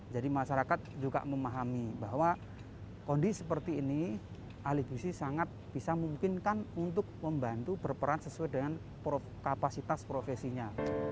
jadi masyarakat juga memahami bahwa kondisi seperti ini ahli gizi sangat bisa memungkinkan untuk membantu berperan sesuai dengan kapasitas profesinya